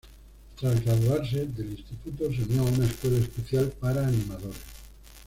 Tras graduarse del instituto se unió a una escuela especial para animadores.